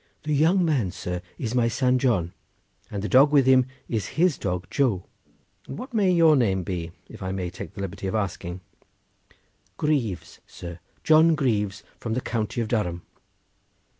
"The young man, sir, is my son John, and the dog with him is his dog Joe." "And what may your name be, if I may take the liberty of asking?" "Greaves, sir; John Greaves from the county of Durham."